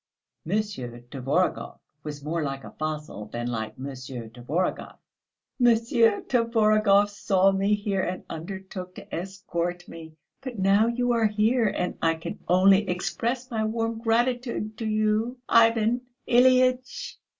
Monsieur Tvorogov was more like a fossil than like Monsieur Tvorogov. "Monsieur Tvorogov saw me here and undertook to escort me; but now you are here, and I can only express my warm gratitude to you, Ivan Ilyitch...."